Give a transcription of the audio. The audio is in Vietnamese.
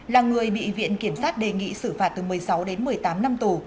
là người bị viện kiểm sát đề nghị xử phạt từ một mươi sáu đến một mươi tám năm tù